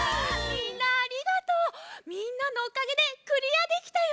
みんなのおかげでクリアできたよ！